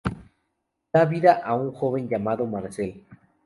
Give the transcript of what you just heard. Da vida a un joven llamado Marcel.